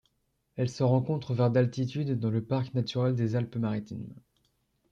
Elle se rencontre vers d'altitude dans le parc naturel des Alpes maritimes.